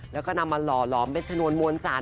แล้วก็นำมาหล่อหลอมเป็นชนวนมวลสาร